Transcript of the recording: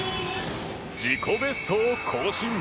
自己ベストを更新。